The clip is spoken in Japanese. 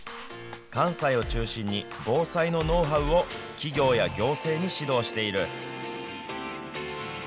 関西を中心に、防災のノウハウを、企業や行政に指導している。